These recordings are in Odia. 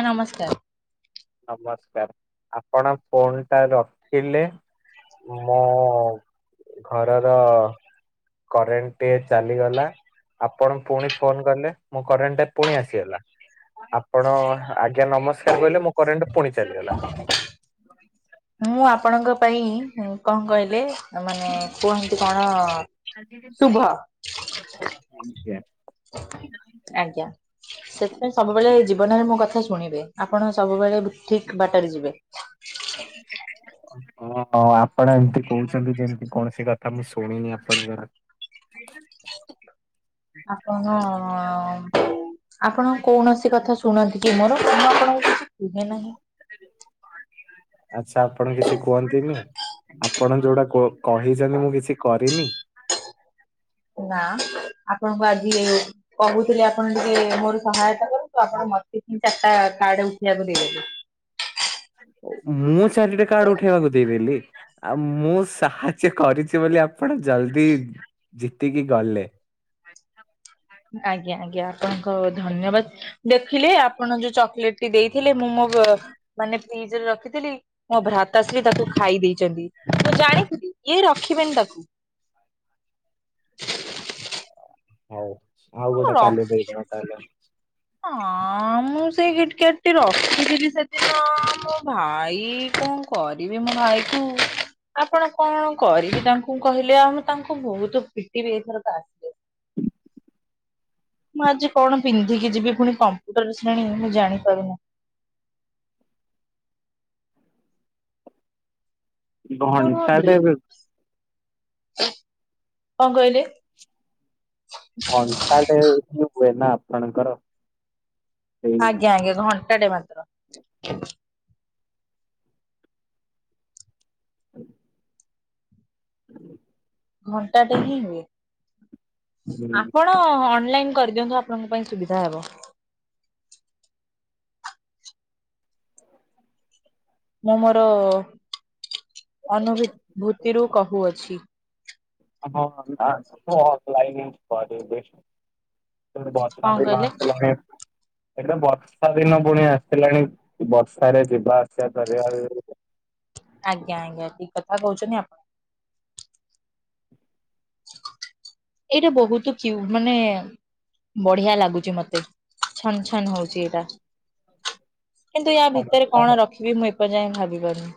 ଆଜ ନମସ୍କାର ନମସ୍କାର ଆପଣ ଫୋନ ଟା ରଖିଲେ ମୋ ଘରର କରେଣ୍ଟ ଟେ ଚାଲିଗଲା ଆପଣ ପୁଣି ଫୋନ କଲେ ମୋ କାରେଣ୍ଟା ପୁଣି ଆସିଗଲା ଆପଣ ଆଜ୍ଞା ନମସ୍କାର କହିଲେ ମୁୋ କରେଣ୍ଟ ପୁଣି ଚାଲିଗଲା ମୁଁ ଆପଣଙ୍କ ପାଇଁ କଣ କହିଲେ ମାନେ କୁହନ୍ତି କଣ ଶୁଭ ଆଜ୍ଞା। ଆଜ୍ଞା ସେଥିପାଇଁ ସବୁବେଳେ ଜୀବନରେ ମୋ କଥା ଶୁଣିବେ ଆପଣ ସବୁବେଳେ ଠିକ ବାଟରେ ଯିବେ ହଁ ଆପଣ ଏମତି କହୁଛନ୍ତି ଯେମିତି କୌଣସି କଥା ମୁଁ ଶୁଣିନି ଆପଣଙ୍କର ଆପଣ ଆପଣ କୌଣସି କଥା ଶୁଣନ୍ତି କି ମୋର ମୁଁ ଆପଣଙ୍କୁ କିଛି ଶୁିବେ ନାହିଁ ଆଚ୍ଛା ଆପଣ କିଛି କୁହନ୍ତିନି ଆପଣ ଯୋଉଟା କହିଛନ୍ତି ମୁଁ କିଛି କରିନି ନା ଆପଣଙ୍କୁ ଆଜି କହୁଥିଲେ ଆପଣ ଟିକେ ମୋର ସହାୟତା କରନ୍ତୁ ଆପଣ ମତେ ହି ଚାରିଟା କାର୍ଡ ଉଠେଇବାକୁ ଦେଇଦେବ। ମୁଁ ଚାରିଟେ କାର୍ଡୁ ଉଠେଇବାକୁ ଦେଇବିି ଆଉ ମୁଁ ସାହାଯ୍ୟ କରିଛି ବୋଲି ଆପଣ ଜଲଦି ଜିତିକି ଗଲେ ଆଜ୍ଞା ଆଜ୍ଞା ଆପଣଙ୍କ ଧନ୍ୟବାଦ, ଦେଖିଲେ ଆପଣ ଯୋଉ ଚକୋଲେଟ ଟି ଦେଇଥିଲେ ମୁଁ ମୋ ମାନେ ଫ୍ରିଜରେ ରଖିଥିଲି। ମୋ ଭ୍ରାତାଶ୍ରୀ ତାକୁ ଖାଇ ଦେଇେଇଛନ୍ତି ମୁଁ ଜାଣିଥିଲ ଇଏ ରଖିବେନି ତାକୁ ହଉ ଆଉ ହଁ ଗୋଟେ ରଖ କାଲି ଦେଇଟ ହେ ହଁ ମୁଁ ସେଇ ଗିଟ କଟଟି ରଖିଥିଲି ସେଦିନ ମୋ ଭାଇ କଣ, କରିବି ମୋ ଭାଇ କୁ, ଆପଣ କଣ କରିବି ତାଙ୍କୁ କହିଲେ ଆଉ ମୁଁ ତାଙ୍କୁ ବହୁତ ପିଟିବି ଏଇଥର ତ ଆସି ମୁଁ ଆଜି କଣ ପିନ୍ଧିକି ଯିବି ପୁଣି କମ୍ପ୍ୟୁଟର ଶ୍ରେଣୀ ମୁଁ ଜାଣିପାରୁନି କଣ ଘଣ୍ଟାଟେ କହିଲେ? ଘଣ୍ଟା ଟେ ଏଠି ହୁଏ ନା ଆପଣଙ୍କର ସେଇ ଆଜ୍ଞା ଆଜ୍ଞା ଘଣ୍ଟାଟେ ମାତ୍ର, ହଁ ହୁଁ ଘଣ୍ଟାଟେ ହିଁ ହୁଏ ଆପଣ ଆପଣ ଅନଲାଇନ କରିଦିଅନ୍ତୁ ଆପଣଙ୍କ ପାଇଁ ସୁବିଧା ହେବ। ମୁଁ ମୋର ଅନୁଭୂତିରୁ କହୁଅଛି। ହଁ ଲାଇନ ବେଶ ବହୁତ କଣ ସାରେ ଲ କହିଲେ ଫ [unintelligible] ଏଟା ବର୍ଷା ଦିନ ପୁଣି ଆସିଲାଣି ବର୍ଷାରେ ଯିବା ଆସିବା ପରରିବା। ଆଜ୍ଞା ଆଜ୍ଞା ଠିକ କଥା କହୁଛନ୍ତି ଆପଣ ଏଇଟା ବହୁତ କି ମାନେ ବଢିଆ ଲାଗୁଛି ମତେ ଛନ ଛନ ହଉଛି ଏଇଟା କିନ୍ତୁ ୟା ଭିତରେ କଣ ରଖିବି ମୁଁ ଏପର୍ଯୟ ଭାବି ପାରୁନି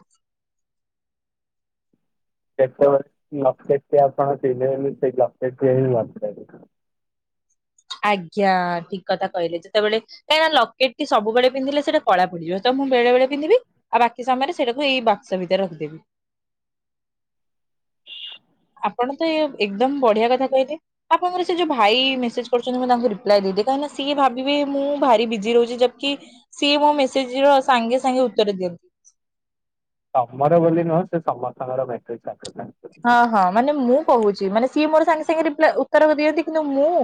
ଲପଟେକ ଆପଣ ସେଥିଲେ ସେ ଲପଟେକ ଲପ ଆଜ୍ଞା ଠିକ କଥା କହିଲେ ଯେତେବେଳେ। କାହିଁକନା ଲକେଟ ସୁେଳେ ପିଧିଲେ ସେଟ କଳା ପଡିଯିବ ତ ମୁଁ ବଳେ ପିନ୍ଧିବି ଆଉ ବାକି ସମୟରେ ସେଇଟାକୁ ଏଇ ବାକ୍ସ ଭିତରେ ରଖିଦେବି। ଆପଣ ତ ଏ ଏକଦମ ବଢିଆ କଥା କହିଲେ। ଆପଣଙ୍କର ସେ ଯୋଉ ଭାଇ ମେସେଜ କରୁଛନ୍ତି ମୁଁ ତାଙ୍କୁ ରିପ୍ଲାଏ ଦେଇଦି କାଁକି ସିଏ ଭାବିବେ ମୁଁ ଭାରି ବିଜି ରହୁଛି ଜକି ସିଏ ମୋ ମେସେଜ ର ସାଙ୍ଗେ ସାଙ୍ଗେ ଉତ୍ତର ଦିଅନ୍ତି। ତମର ବୋଲି ନୁହଁ ସେ ସମସ୍ତଙ୍କର ଭେଟ ହଁ ହଁ ମାନେ ମୁଁ କହୁଛି ମାନେ ସିଏ ମୋର ସାଙ୍ଗେ ସାଙ୍ଗେ ରିପ୍ ଉତ୍ତର ଦିଅନ୍ତି କିନ୍ତୁ ମୁଁ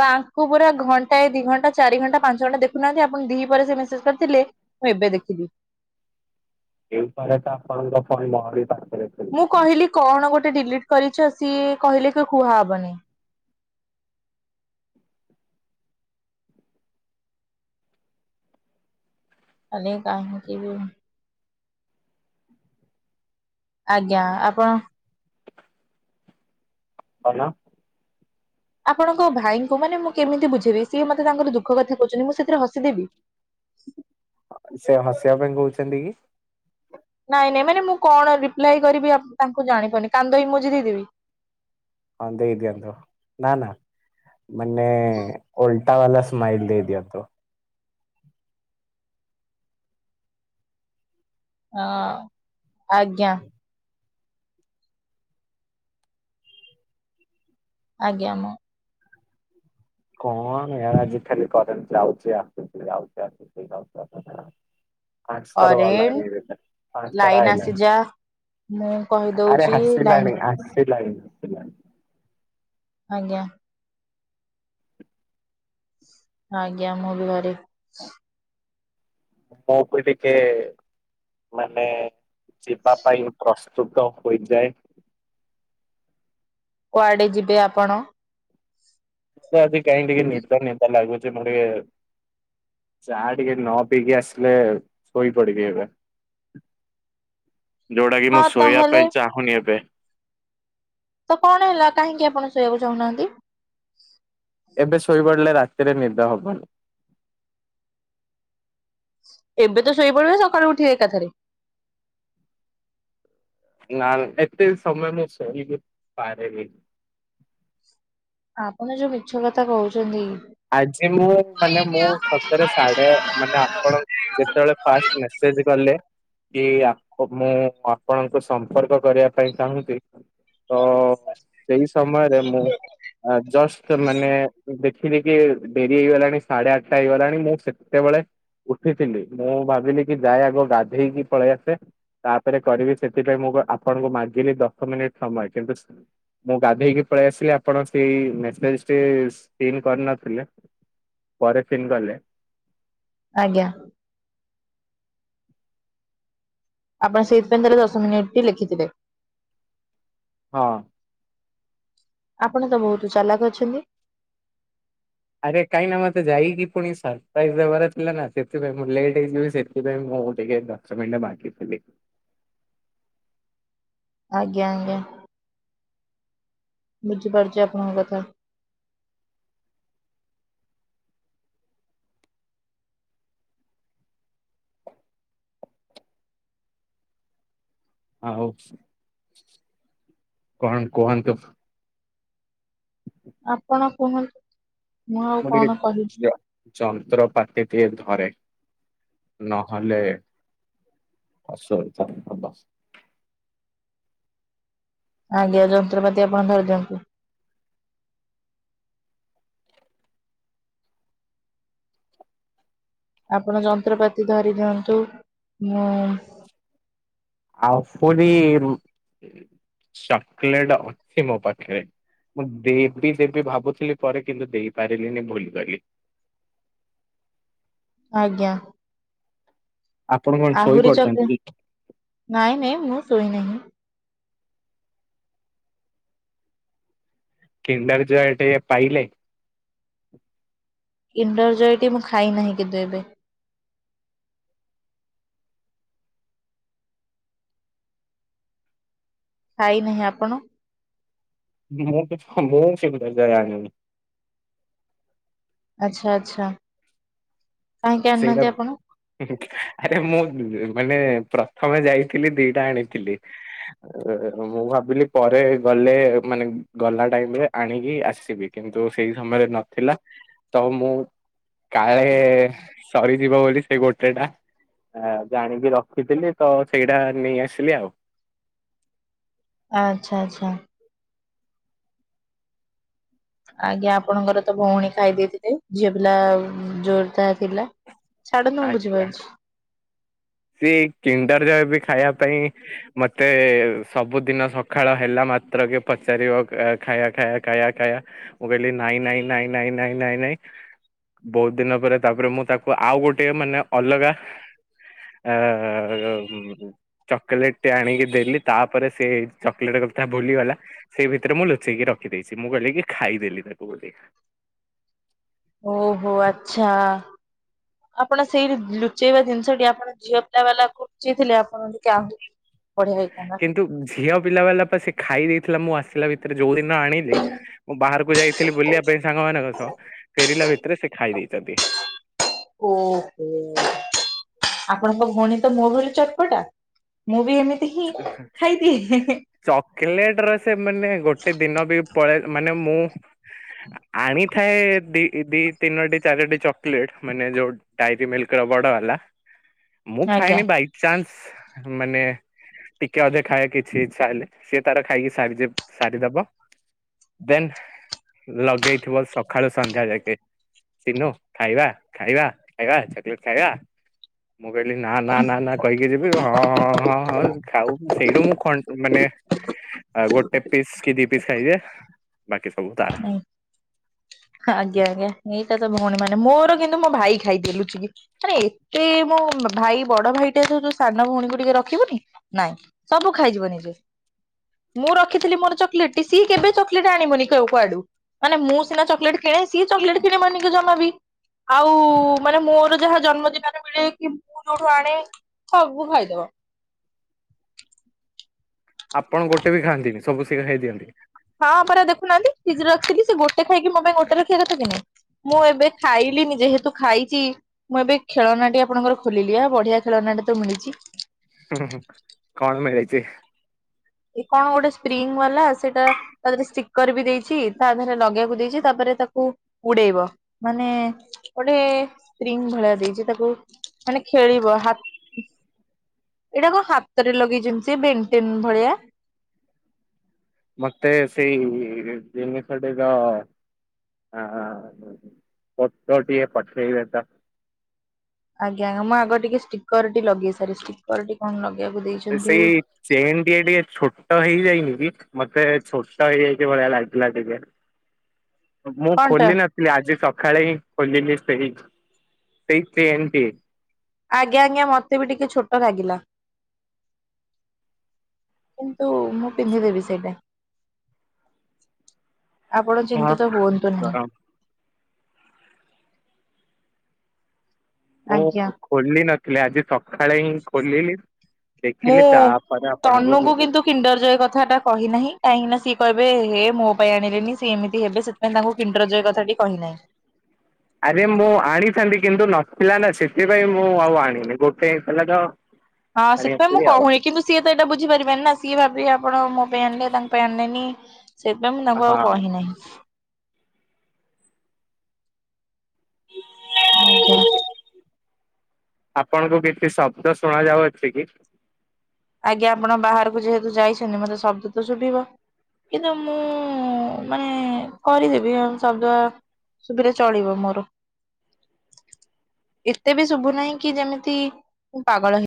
ତାଙ୍କୁ ପୁରା ଘଣ୍ଟା ଏ ଦି ଘଣ୍ଟା ଚାରି ଘଣ୍ଟା ପାଞ୍ଚ ଘଣ୍ଟା ଦେଖୁନାହାନ୍ତି ଆପଣ ଦି ପରେ ସେ ମେସେଜ କରିଥିଲେ। ମୁଁ ଏବେ ଦେଖିଦି। ଏଇ ଉପ ତ ଆପଣଙ୍କ ପଣି ମରୀ ପାଖରେ ଥିଲି ମୁଁ କହିଲି କଣ ଗୋଟେ ଡିଲିଟ କରିଛ ସିଏ କହିଲେ କି କୁହାହବନ ଅନେକ ଆ କି ବି [unintelligible] ଆଜ୍ଞା ଆପଣ- ବ ଆପଣଙ୍କ ଭାଇଙ୍କୁ ମାନେ ମୁଁ କେମିତି ବୁଝେଇବି ସିଏ ମତେ ତାଙ୍କର ଦୁଃଖ କଥା କହୁଛନ୍ତି ମୁଁ ସେଥିରେ ହସିଦେବି ସେ ହସିବା ପାଇଁ କହୁଛନ୍ତି କି ନାଇଁ ନାଇଁ ମାନେ ମୁଁ କଣ ରିପ୍ଲାଏ କରିବି ତାଙ୍କୁ ଜାଣିପନି କାନ୍ଦଇ ମଝି ଦେଇଦେବି ଅନ୍ଦେ ଦିନ୍ତୁ ନାନ ମାନେ ଓଲଟ ତାେଲା ସ୍ମାଇଲ ଦେଦିଅନ୍ତୁ। ହଁ ଆଜ୍ଞା, ଆଜ୍ଞା ମଁ, କଣ ଏ ଆଜି ଖାଲି କରନ୍ତି ଯାଉଛି ଆସୁ ଯାଉଛି ଆସୁ ଯାଉ ପାଞ୍ଚ ଥର କରେଣ୍ଟ ଗଲାନି ଏଇନା ପାଞ୍ଚ ଥର ଲାଇନ ଆଇଲାନି ଆସିଯା ମୁଁ ଆରେ କହିଦଉଛି ଲାଇନ ହସିଲାଣି ଆସିଲାଣି ଆସିଲାଣି ଆଜ୍ଞା ଆଜ୍ଞା ମୁଁ ବି ଘରେ ମୁଁ ବି ଟିକେ ମାନେ ଯିବା ପାଇଁ କଷ୍ଟ ସୁୁଟ ଅପ୍ ହୋଇଯାଏ କୁଆଡେ ଯିବେ ଆପଣ ତ ଆଜି କାହିଁ ଟିକେ ନିଦ ନିଦ ଲାଗୁଛି ମର ଟିକେ ଚାହା ଟିକେ ନ ପିଇକି ଆସିଲେ ଶୋଇ ପଡିବି ଏବେ ଯୋଉଟା କି ମୁଁ ହଁ ଶୋଇବା ତାହେଲେ ପାଇଁ ଚାହୁଁନି ଏବେ ତ କଣ ହେଲା କାହିଁକି ଆପଣ ଶୋଇିବାକୁ ଚାହୁଁନାହାନ୍ତି ଏବେ ଶୋଇପଡିଲେ ରାତିରେ ନିଦ ହବନ ଏବେ ତ ଶୋଇପଡିବ ସକାଳୁ ଉଠିକି ଏକାଥରେ ନା ଏତ ସମୟ ପାର ଆପଣ ଯୋଉ ମିଛ କଥା କହୁଛନ୍ତି। ଆଜି ମୁଁ ମାନେ ମୁଁ ସତରେ ସାଢେ ମାନେ ଆପଣ ଯେତେବେଳେ ଫାଷ୍ଟ ସେନ୍ତି କଲେ କି ମୁଁ ଆପଣଙ୍କୁ ସମ୍ପର୍କ କରିବା ପାଇଁ ଚାହୁଁଛି ତ ସେଇ ସମୟରେ ମୁଁ ଜଷ୍ଟ ମାନେ ଦେ କି ଡେରି ହେଇଗଲାଣି ସାଢେ ଆଠଟା ହେଇଗଲାଣି ମୁଁ ସେତେବେଳେ ଉଠିଥିଲି ମୁଁ ଭାବିଲି କି ଯାଏ ଆଗ ଗାଧେଇକି ପଳେଇ ଆସେ ତାପରେ କରିବି ସେଥିପାଇଁ ମୁଁ ଆପଣଙ୍କୁ ମାଗିଲି ଦଶ ମିନିଟ୍ ସମୟ କିନ୍ତୁୁ ମୁଁ ଗାଧେଇକି ପଳେଇ ଆସିଲି ଆପଣ ସେଇ ସିନ୍ କରିନଥିଲେ ପରେ ସିନ୍ କଲେ ଆଜ୍ଞା ଆପଣ ସେଇଥିାଇଁ ଦଶ ମିନିଟ ଟି ଲେଖିଥିଲେ ହଁ ଆପଣ ତ ବହୁତ ଚାଲାକ ଅଛନ୍ତି ଆରେ କାହିଁକ ନା ମତେ ଯାଇକି ପୁଣି ସରପ୍ରାଇଜ ଦେବାର ଥିଲା ନା ସେଥିପାଇଁ ମୁଁ ଲେଟ୍ ହେଇଯିବି ସେଥିପାଇଁ ମୁଁ ଟିକେ ବାକି ଆଜ୍ଞା- ଆଜ୍ଞା। ବୁଝିପାରୁଛି ଆପଣଙ୍କ କଥା ଆଉ କଣ କୁହନ୍ତ କେ ଆପଣ କୁହନ୍ତୁ ମୁଁ ଆଉ ମୋ ଟିକେ କଣ କହିବି? ଜିଆ ଯନ୍ତ୍ରପାତି ଟଏ ଧରେ ନହେଲେ ଆସିର୍ଥ ଆବାସ ଆଜ୍ଞା ଯନ୍ତ୍ରପାତି ଆପଣ ଧରି ଦିଅନ୍ତୁ ଆପଣ ଯନ୍ତ୍ରପାତି ଧରି ଦିଅନ୍ତୁ ମୁଁ ଆଉ ପରି ଚକୋଲେଟ ଅଛି ମୋ ପାଖରେ ମୁଁ ଦେବି ଦେବି ଭାବୁଥିଲି ପରେ କିନ୍ତୁ ଦେଇପାରିଲିନି ଭୁଲି କିଲି ଆଜ୍ଞା ଆପଣ କଣ ଶୋଇ ଆହୁରି ପଡିଛନ୍ତି ଚକଲେ କି ନାଇଁ ନାଇଁ ମୁଁ ଶୋଇନାହିଁ କିଣ୍ଡାର ଯ ଏଠି ପାଇଲେ ଇଣ୍ଣ୍ଡର ଜୟଟି ମୁଁ ଖାଇନାହିଁ କିନ୍ତୁ ଏବେ ଖାଇନାହିଁ ଆପଣ ମୁଁଁ ମୁହୁଁ ସୁନ୍ଦର ଯା ଆଣି ଆଛା ଆଚ୍ଛା କାହିଁକି ସେଇଟା ଆଣିନାହାନ୍ତି ଆପଣ ଆରେ ମୁଁ ମାନେ ପ୍ରଥମେ ଯାଇଥିଲି ଦିଟା ଆଣିଥିଲି ମୁଁ ଭାବିଲି ପରେ ଗଲେ ମାନେ ଗଲା ଟାଇମ ରେ ଆଣିକି ଆସିବି କିନ୍ତୁ ସେଇ ସମୟରେ ନଥିଲା ତ ମୁଁ କାଳେ ସରିଯିବ ବୋଲି ସେ ଗୋଟେ ଟା ଆ ଜାଣିକି ରଖିଥିଲି ତ ସେଇଟା ନେଇ ଆସିଲି ଆଉ ଆଚଛା ଆଚ୍ଛା ଆଜ୍ଞା ଆପଣଙ୍କର ତ ଭଉଣୀ ଖାଇ ଦେଇେଇଥିଲେ ଝିଅ ପିଲା ଜୋରଦାର ଥିଲା ଛାଡ଼ୁ ମୁଁ ବୁଝିପାରୁଛି ସିଏ କିଣ୍ଡାର ଯହବେ ଖାଇବା ପାଇଁ ମତେ ସବୁଦିନ ସକାଳ ହେଲା ମାତ୍ରକ ପଚାରିବ ଖାଇା ଖାଇବା ଖାଇା ଖାଇବା ମୁଁ କିଲ ନାଇଁ ନାଇଁଁ ନ ନଁ ନ ବହୁତ ଦିନ ପରେ ତାପରେ ମୁଁ ତାକୁ ଆଉ ଗୋଟେ ମାନେ ଅଲଗା ଆ ଚକୋଲେଟ ଟି ଆଣିକି ଦେଲି ତାପରେ ସେ ଚକୋଲେଟ କଥା ଭୁଲିଗଲା ସେଇ ଭିତରେ ମୁଁ ଲୁଚେଇକି ରଖିଦେଇଛି ମୁଁ କହିଲି କି ଖାଇଦେଲି ତାକୁ ବୋଲି ଓହୋ ଆଚ୍ଛା ଆପଣ ସେଇ ଲୁଚେଇବା ଜିନିଷଟି ଆପଣ ଝିଅ ପିଲା ବାଲା ଲୁଚେଇ ଥିଲେ ଆପଣ ଟା ବଢିଆ ହେଇଥା ନା କିନ୍ତୁ ଝିଅ ପିଲା ବାଲା ସେ ଖାଇ ଦେଇଥିଲା ମୁଁ ଆସିଲା ଭିତରେ ଯୋଉ ଦିନ ଆଣିଲି ମୁଁ ବାହାରକୁ ଯାଇଥିଲି ବୁଲିବା ପାଇଁ ସାଙ୍ଗ ମାନଙ୍କ ସହ ଫେରିଲା ଭିତରେ ସେ ଖାଇ ଦେଇେଇଛନ୍ତି ଓହ ଆପଣଙ୍କ ଭଉଣୀ ତ ମୋ ଭଳି ଚଟପଟା ମୁଁ ବି ଏମିତି ହିଁ ଆଛା ଆଛା ଖାଇଦିଏ। ଚକୋଲେଟ ର ସେ ମାନେ ଗୋଟେ ଦିନ ବି ପଳେଇ ମାନେ ମୁଁ ଆଣିଥାଏ ଦି ଦି ତିନୋଟି ଚାରୋଟି ଚକୋଲେଟ ମାନେ ଯୋଉ ଡାଇରି ମିଲ୍କ ରବର୍ଡ଼ ହେଲା [inaudible] ମୁଁ ଖାଇନି ବାଇଚାନ୍ସ ମାନେ ଟିକେ ଅଧିକ ଖାଇବା କିଛି ଇ୍ଛା ହେଲେ ସିଏ ତାର ଖାଇକି ସାରି ସାରିଦବ ଦେନ୍ ଲଗେଇଥିବ ସକାଳୁ ସନ୍ଧ୍ୟା ଯାକେ ଚିହ୍ନୁ ଖାଇବା ଖାଇବା ଖାଇବା ଚକୋଲେଟ ଖାଇବା ମୁଁ କହିଲି ନା ନା ନା ନା କହିକି ଯିବି ହଁଁଁ ଖାଉ ସେଇଟ ମୁଁ ଖ ମାନେ ଗୋଟେ ପିସ୍ କି ଦି ପିସ୍ ଖାଇଦିଏ ବାକି ସବୁ ତାରା। ଆଜ୍ଞା ଆଜ୍ଞା [unintelligible] ତ ଭଉଣୀ ମାନେ ମୋର କିନ୍ତୁ ମୋ ଭାଇ ଖାଇ ଦିଏ ଲୁଚିକି? ମାନ ଏତେ ମୋ ଭାଇ ବଡ ଭାଇଟା ସବୁ ଯୋଉ ସାନ ଭଉଣୀକୁ ଟିକେ ରଖିବୁନି ନାଇଁ। ସବୁ ଖାଇଯିବ ନିଜେ ମୁଁ ରଖିଥିଲି ମୋର ଚକୋଲେଟ ଟି ସିଏ କେବେ ଚକଲେଟ ଆଣିବନି। କେଉ କୁଆଡୁ ମାନେ ମୁଁ ସିନା ଚକଲେଟ କିଣେ ସିଏ ଚକଲେଟ୍ କିଣେ ମାଆଙ୍କୁ ଜମା ବିି। ଆଉ ମାନେ ମୋର ଯାହା ଜନ୍ମଦିନରେ ମିଳେ କି ମୁଁ ଯୋଉଠୁ ଆଣେ ସବୁ ଖାଇଦବ। ଆପଣ ଗୋଟେ ବି ଖାଆନ୍ତିନି ସବୁ ସିଏ ଖାଇ ଦିଅନ୍ତି। ହଁ ହଁ ପରା ଦେଖୁନାହାନ୍ତି ନିଜେ ରଖିବି ସେ ଗୋଟେ ଖାଇକି ମୋ ପାଇଁ ଗୋଟେ ରଖିବା କଥା କିିନି? ମୁଁ ଏବେ ଖାଇଲିନି ଯେହେତୁ ଖାଇଛି। ମୁଁ ଏବେ ଖେଳନାଟି ଆପଣଙ୍କର ଖୋଲିଲି ଆ ବଢିଆ ଖେଳନା ଟ ତ ମିଳିଛି ହଁ କଣ ମିଳିଛି? ଏ କଣ ଗୋଟେ ସ୍ପ୍ରିଙ୍ଗ ବାଲା ସେଇଟା ତା ଦେହରେ ଷ୍ଟିକର ବି ଦେଇଛି ତା ଦେହରେ ଲଗେଇବାକୁ ଦେଇଛି ତାପରେ ତାକୁ ଉଡେଇବ? ମାନେ ଗୋଟେ ସ୍ପ୍ରିଙ୍ଗ ଭଳିଆ ଦେଇଛି ତାକୁ ମାନେ ଖେଳିବ ହାତ ଏଇଟା କ ହାତରେ ଲଗେଇ ସିଏ ବେଟିନ ଭଳିଆ। ମତେ ସେଇ ଜିମ ସେଇ ଟେକା ଫଟୋ ଟିଏ ପଠେଇବ ତ। ଆଜ୍ଞା ମୁଁ ଆଗ ଟିକେ ଷ୍ଟିକର ଟିଏ ଲଗେଇ ସାରେ ଷ୍ଟିକର ଟି କଣ ଲଗେଇବାକୁ ଦେଇଛନ୍ତି? ସେଇ ଚେନ୍ ଟିକେ ଟିକେ ଛୋଟ ହେଇଯାଇନି କି? ମତେ ଛୋଟ ହେଇଯାଇଛି ଭଳିଆ ଲାଗିଲା ଟିକେ। ମୁଁ କଣଟା ଖୋଲି ନ ଆଜି ସକାଳେ ହିଁ ଖୋଲିଲି ସେଇ ସେଇ ଚେନ୍ ଟି। ଆଜ୍ଞା ଆଜ୍ଞା ମତେ ବି ଟିକେ ଛୋଟ ଲାଗିଲା। କିନ୍ତୁ? ମୁଁ ପିନ୍ଧିଦେବି ସେଇଟା। ଆପଣ ହଁ। ଚିନ୍ତିତ ହୁଅନ୍ତୁ ନାହିଁ। ମୁଁ ଆଜ୍ଞା। ଖୋଲିି ନଥିଲି ଆଜି ସକ୍ ସଖାଳେ ହିଁ ଖୋଲିଲି ଦେଖିଲି ମୁଁ ତାପରେ ଆପଣଙ୍କୁ ତନୁକୁ ଉ କିନ୍ତୁ କିଣ୍ଡର ଜୟ କଥାଟା କହିନାହିଁ କାହିଁକି ନା ସିଏ କ‌ହିଁବେ ଏହେ ମୋ ପାଇଁ ଆଣିଲେନି। ସେ ଏମିତି ହେବେ ସେଥି ପାଇଁ ତାଙ୍କୁ କିଣ୍ଡରଜୟ କଥାଟି କହିନାହିଁ। ଆରେ ମୁଁ ଆଣିଥାନ୍ତି କିନ୍ତୁ ନଥିଲା ନା ସେଥିପାଇଁ ମୁଁ ଆଉ ଆଣିନି ଗୋଟେ ହିଁ ଥିଲା ତ ହଁ ଆଣି ସେଥିପାଇଁ ମୁଁ ଆସିଲି ଆଉ। କହୁନି କିନ୍ତୁ ସିଏ ତ ଏଇଟା ବୁଝିପାରିବେନି ନା ସିଏ ଭାବିବେ ଆପଣ ମୋ ପାଇଁ ଆଣିଲେ ତାଙ୍କ ପାଇଁ ଆଣିନେନି। ସେଇଥିପାଇଁ ମୁଁ ତାଙ୍କୁ ଆଉ ହଁ କହିନାହିଁ। ଆଜ୍ଞା। ଆପଣଙ୍କୁ କିଛି ଶବ୍ଦ ଶୁଣା ଯାଉଅଛି କି? ଆଜ୍ଞା ଆପଣ ବାହାରକୁ ଯେହେତୁ ଯାଇଛନ୍ତି ମତେ ଶବ୍ଦ ତ ଶୁଭିବ। କିନ୍ତୁ ମୁଁ ମାନେ କରିଦେବି ଅଁ ଶବ୍ଦ ସୁବିଲେ ଚଳିବ ମୋର। ଏତେ ବି ଶୁଭୁ ନାହିଁ କି ଯେମିତି ମୁଁ ପାଗଳ ହେଇ